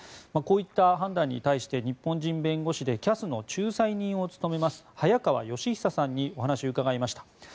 こういった判断に対して日本人弁護士でＣＡＳの仲裁人を務めます早川吉尚さんにお話を伺いました。